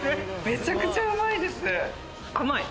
めちゃくちゃうまいです！